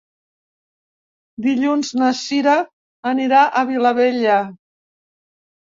Dilluns na Sira anirà a la Vilavella.